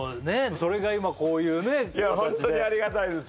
それが今こういうねホントにありがたいです